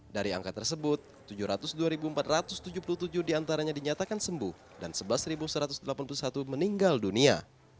dari angka tersebut tujuh ratus dua empat ratus tujuh puluh tujuh diantaranya dinyatakan sembuh dan sebelas satu ratus delapan puluh satu meninggal dunia